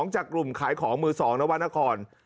จากกลุ่มขายของมือ๒นวรรณคร